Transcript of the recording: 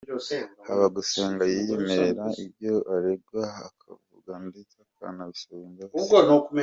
Habagusenga yiyemerera ibyo aregwa akavuga ndetse akanabisabira imbabazi.